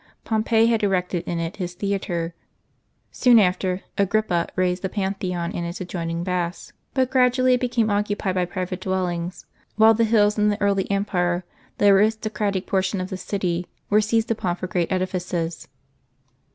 Pompey had erected in it his theatre ; soon after, Agrippa raised the Pantheon and its adjoining baths. But gradually it became occupied by private dwellings ; while TO w the hills, in the early empire the aiistocratic portion of the city, were seized upon for greater edifices.